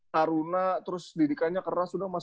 karuna terus didikannya keras sudah makasih